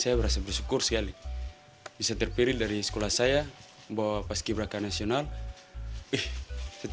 saya merasa bersyukur sekali bisa terpilih dari sekolah saya bahwa pas kiberaika nasional setelah pakai baju pedeu ini saya merasa senang sekali